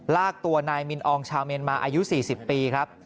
ลากตัวนายมินอองชาวเมียนมาอายุ๔๐ปีครับ